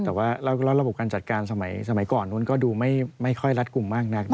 แต่ว่าระบบการจัดการสมัยก่อนนู้นก็ดูไม่ค่อยรัดกลุ่มมากนัก